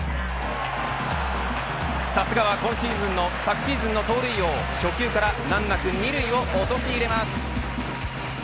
さすがは昨シーズンの盗塁王初球から難なく２塁を陥れます。